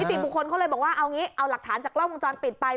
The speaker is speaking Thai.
ติบุคคลเขาเลยบอกว่าเอางี้เอาหลักฐานจากกล้องวงจรปิดไป